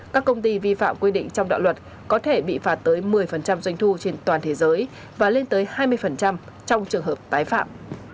các công ty vi phạm quy định trong đạo luật có thể bị phạt tới một mươi doanh thu trên toàn thế giới và lên tới hai mươi trong trường hợp tái phạm